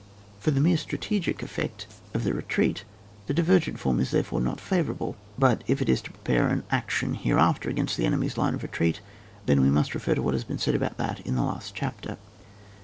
For the. mere strategic effect of the retreat, the divergent form is therefore not favourable ; but if it is to prepare an action hereafter against the enemy's line of retreat, then we must refer to what has been said about that in the last chapter.